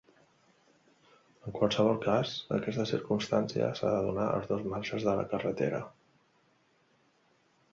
En qualsevol cas, aquesta circumstància s'ha de donar als dos marges de la carretera.